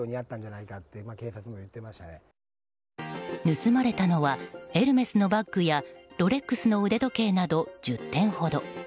盗まれたのはエルメスのバッグやロレックスの腕時計など１０点ほど。